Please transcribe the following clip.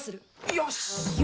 よし！